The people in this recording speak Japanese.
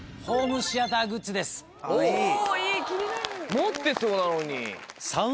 持ってそうなのに。